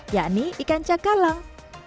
yakni ikan cakalang